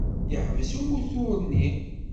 Yeḥbes umutur-nni.